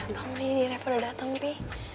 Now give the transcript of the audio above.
bangun ini ref udah dateng pi